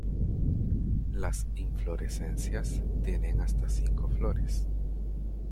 Las inflorescencias tienen hasta cinco flores.